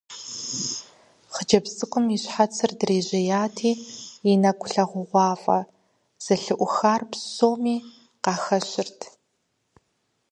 Хъыджэбз цӀыкӀум и щхьэцыр дрижьеяти, и нэкӀу лъагъугъуафӀэ зэлъыӀухар псоми къахэщырт.